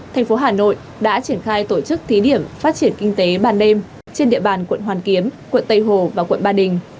thành phố hà nội đã triển khai tổ chức thí điểm phát triển kinh tế ban đêm trên địa bàn quận hoàn kiếm quận tây hồ và quận ba đình